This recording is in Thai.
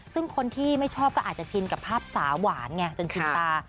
ซึ่งคนที่ไม่ชอบก็อาจจะชินกับภาพสาวหวานไงจนชินตา